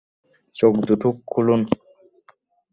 চোখ দুটো খুলুন!